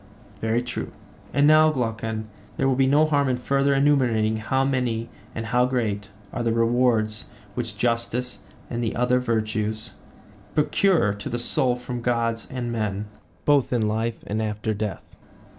Very true. And now, Glaucon, there will be no harm in further enumerating how many and how great are the rewards which justice and the other virtues procure to the soul from gods and men, both in life and after death.